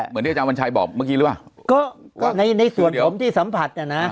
เหมือนที่อาจารย์วันชัยบอกเมื่อกี้หรือเปล่าก็ก็ในในส่วนผมที่สัมผัสอ่ะนะ